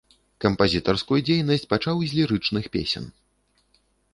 Кампазітарскую дзейнасць пачаў з лірычных песен.